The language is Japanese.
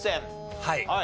はい。